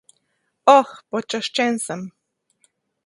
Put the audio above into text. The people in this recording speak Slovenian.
Oh... počaščen sem.